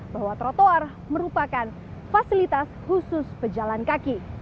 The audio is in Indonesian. bahwa trotoar merupakan fasilitas khusus pejalan kaki